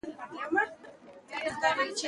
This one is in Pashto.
لوستې میندې د ماشوم بدن پاک ساتي.